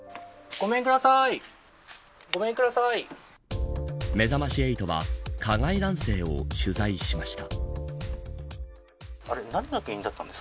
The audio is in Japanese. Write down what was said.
めざまし８は加害男性を取材しました。